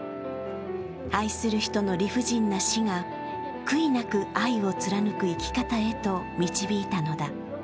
愛する人の理不尽な死が悔いなく愛を貫く生き方へと導いたのだ。